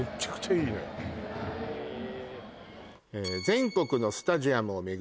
「全国のスタジアムを巡り」